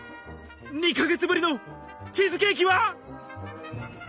２ヶ月ぶりのチーズケーキは。